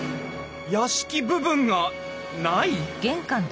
屋敷部分がない！？